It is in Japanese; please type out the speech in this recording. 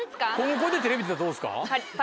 これでテレビ出たらどうですか？